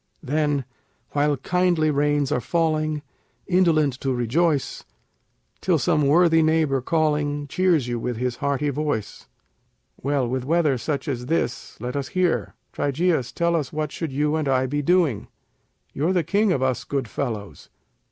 Then, while kindly rains are falling, indolently to rejoice, Till some worthy neighbor calling, cheers you with his hearty voice. Well, with weather such as this, let us hear, Trygæus tell us What should you and I be doing? You're the king of us good fellows.